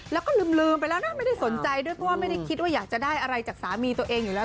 แล้วก็ลืมไปแล้วนะไม่ได้สนใจด้วยเพราะว่าไม่ได้คิดว่าอยากจะได้อะไรจากสามีตัวเองอยู่แล้ว